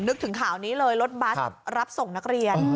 นึกถึงข่าวนี้เลยรถบัสรับส่งนักเรียน